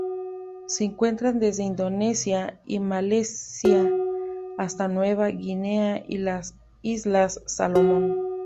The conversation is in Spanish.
Se encuentran desde Indonesia y Malasia hasta Nueva Guinea y las Islas Salomón.